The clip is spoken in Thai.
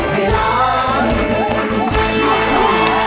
สะสมมูลค่ะ